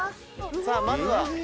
さあまずは。